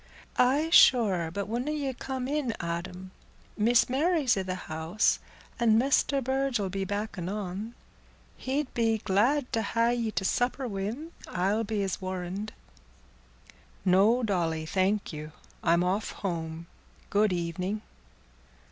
"Aye, sure; but wunna ye come in, Adam? Miss Mary's i' th' house, and Mester Burge 'ull be back anon; he'd be glad t' ha' ye to supper wi'm, I'll be's warrand." "No, Dolly, thank you; I'm off home. Good evening."